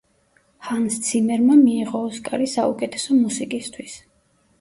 ჰანს ციმერმა მიიღო ოსკარი საუკეთესო მუსიკისთვის.